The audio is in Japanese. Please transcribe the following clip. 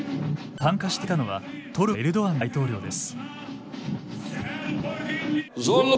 参加していたのはトルコのエルドアン大統領です。